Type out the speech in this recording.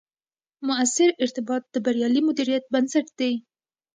مؤثر ارتباط، د بریالي مدیریت بنسټ دی